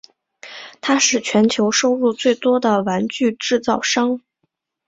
它是全球收入最多的玩具制造商。